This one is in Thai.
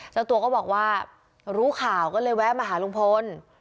เจ้าตัวก็บอกว่ารู้ข่าวก็เลยแวะมาหาลุงพล